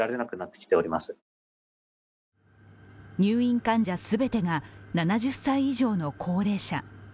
入院患者全てが７０歳以上の高齢者。